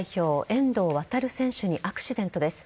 遠藤航選手にアクシデントです。